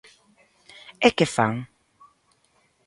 ¿E que fan?